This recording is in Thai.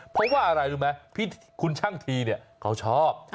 เพราะว่าอะไรรู้ไหมคุณช่างทีเนี่ยเขาชอบ